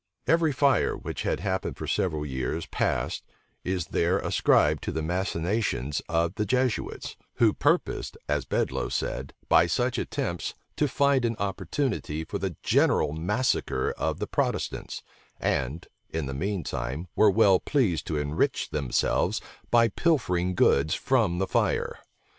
Every fire which had happened for several years past, is there ascribed to the machinations of the Jesuits, who purposed, as Bedloe said, by such attempts, to find an opportunity for the general massacre of the Protestants; and, in the mean time, were well pleased to enrich themselves by pilfering goods from the fire.